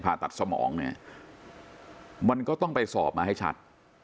ผ่าตัดสมองเนี่ยมันก็ต้องไปสอบมาให้ชัด